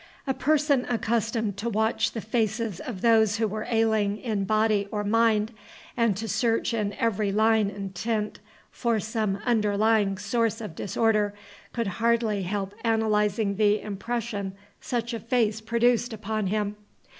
A person accustomed to watch the faces of those who were ailing in body or mind, and to search in every line and tint for some underlying source of disorder, could hardly help analyzing the impression such a face produced upon him.